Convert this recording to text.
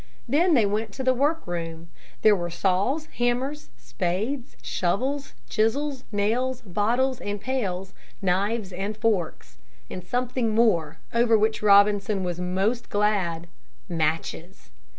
Then they went to the work room. There were saws, hammers, spades, shovels, chisels, nails, bottles, and pails, knives and forks. And something more, over which Robinson was most glad, matches.